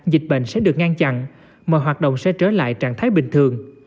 dịch bệnh sẽ được ngăn chặn mọi hoạt động sẽ trở lại trạng thái bình thường